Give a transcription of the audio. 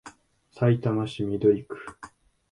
さいたま市緑区